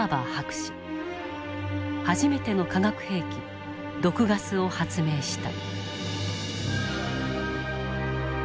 初めての化学兵器毒ガスを発明した。